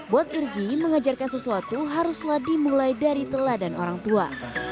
buat irgi mengajarkan sesuatu haruslah dimulai dari teladan orang tua